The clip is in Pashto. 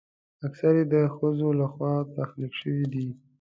اکثره یې د ښځو لخوا تخلیق شوي دي.